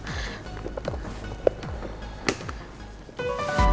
saya coba telepon citra ya pak